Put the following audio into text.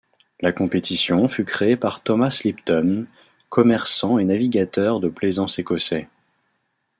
La compétition fut créée par Thomas Lipton, commerçant et navigateur de plaisance écossais.